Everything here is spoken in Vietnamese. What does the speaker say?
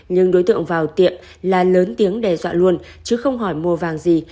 nhưng đối tượng vào tiệm là lớn tiếng đe dọa luôn chứ không hỏi mua vàng gì